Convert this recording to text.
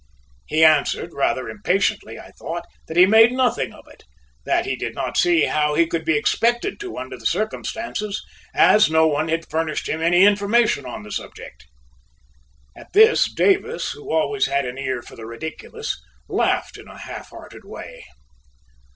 He answered rather impatiently, I thought, that he made nothing of it, that he did not see how he could be expected to under the circumstances, as no one had furnished him any information on the subject. At this Davis, who always had an ear for the ridiculous, laughed in a half hearted way.